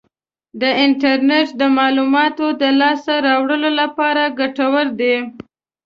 د انټرنیټ د معلوماتو د لاسته راوړلو لپاره ګټور دی.